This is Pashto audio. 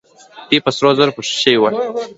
دوی په سرو زرو پوښل شوې وې